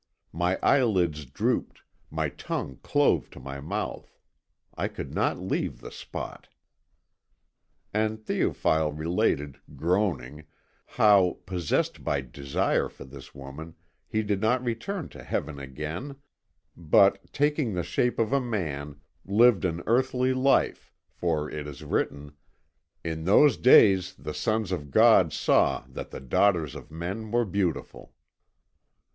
My eyelids drooped, my tongue clove to my mouth. I could not leave the spot." And Théophile related, groaning, how, possessed by desire for this woman, he did not return to Heaven again, but, taking the shape of a man, lived an earthly life, for it is written: "In those days the sons of God saw that the daughters of men were beautiful."